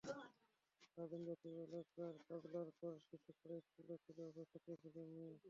রাজধানীর যাত্রাবাড়ী এলাকার কাজলারপাড় শিশুকানন স্কুলের প্লে গ্রুপের ছাত্রী ছিল মিম।